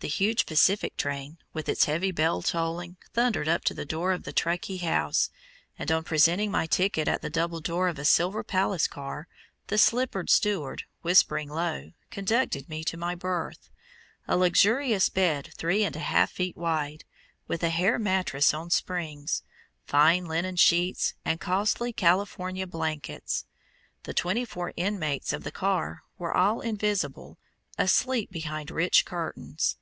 the huge Pacific train, with its heavy bell tolling, thundered up to the door of the Truckee House, and on presenting my ticket at the double door of a "Silver Palace" car, the slippered steward, whispering low, conducted me to my berth a luxurious bed three and a half feet wide, with a hair mattress on springs, fine linen sheets, and costly California blankets. The twenty four inmates of the car were all invisible, asleep behind rich curtains.